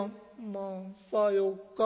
『まあさようか。